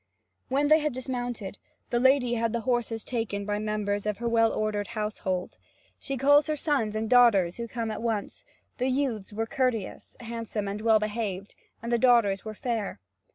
When they had dismounted, the lady had the horses taken by members of her well ordered household. She calls her sons and daughters who come at once: the youths were courteous, handsome, and well behaved, and the daughters were fair.